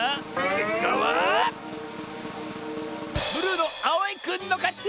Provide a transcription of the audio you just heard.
けっかはブルーのあおいくんのかち！